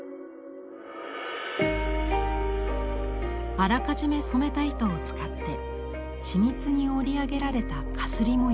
あらかじめ染めた糸を使って緻密に織り上げられた絣模様。